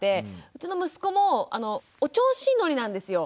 うちの息子もお調子乗りなんですよ。